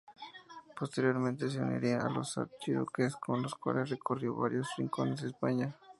Posteriormente se uniría a "Los Archiduques", con los cuales recorrió varios rincones de España.